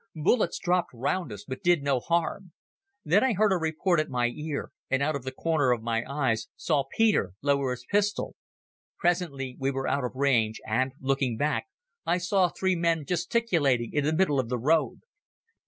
Bullets dropped round us, but did no harm. Then I heard a report at my ear, and out of a corner of my eye saw Peter lower his pistol. Presently we were out of range, and, looking back, I saw three men gesticulating in the middle of the road.